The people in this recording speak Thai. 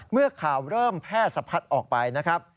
เมื่อข่าวเริ่มแพร่สะพัดออกไปนะครับ